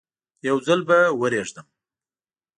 یو ځل به ورېږدم.